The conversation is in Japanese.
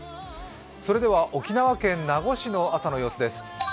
それでは沖縄県名護市の朝の様子です。